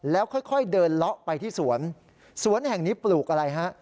แล้วค่อยเดินเลาะไปที่สวนสวนแห่งนี้ปลูกอะไรฮะ